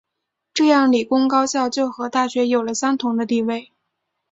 这样理工高校就和大学有了相同的地位。